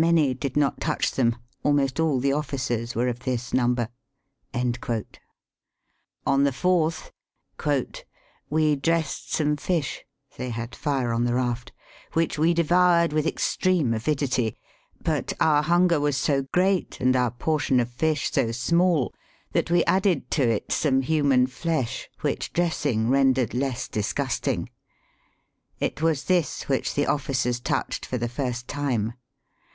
Many did not touch them ; almost all the officers wereof this number." On the fourth "we dressed some fish (they had tire on the raft) which we devoured with extreme avidity ; but, our hunger was so great, and our portion of fish so small, that we added to it some human flesh, which dressing rendered less disgusting ; it was this which the officers tou hed for the first time.